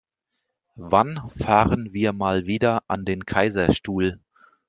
Wann fahren wir mal wieder an den Kaiserstuhl?